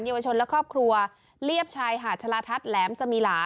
วชนและครอบครัวเรียบชายหาดชะลาทัศน์แหลมสมีหลา